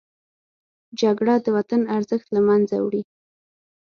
جګړه د وطن ارزښت له منځه وړي